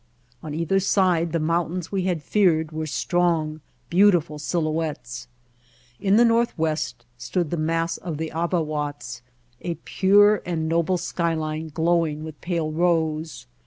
On either side the mountains we had feared were strong, beautiful silhouettes. In the northwest stood the mass of the Avawatz, a pure and noble skyline glowing with pale rose.